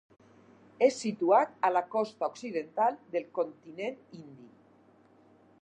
És situat a la costa occidental del continent indi.